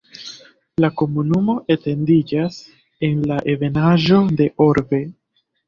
La komunumo etendiĝas en la ebenaĵo de Orbe.